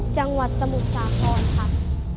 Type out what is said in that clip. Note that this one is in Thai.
จังหวัดสมุทรสาครครับ